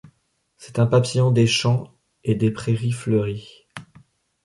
C'est un papillon des champs et des prairies fleuries.